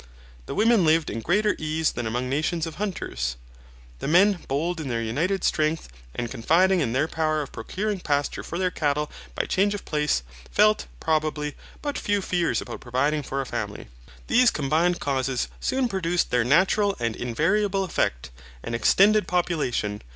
The women lived in greater ease than among nations of hunters. The men bold in their united strength and confiding in their power of procuring pasture for their cattle by change of place, felt, probably, but few fears about providing for a family. These combined causes soon produced their natural and invariable effect, an extended population.